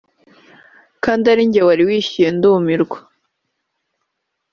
kandi ari njye wari wishyuye ndumirwa